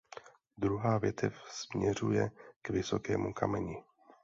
Druhá větev směřuje k Vysokému kameni.